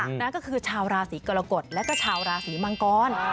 นั่นก็คือชาวราศีกรกฎแล้วก็ชาวราศีมังกร